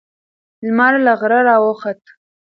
لمر له غره راوخوت.